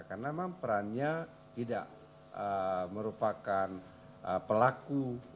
karena memang perannya tidak merupakan pelaku